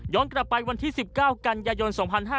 กลับไปวันที่๑๙กันยายน๒๕๕๙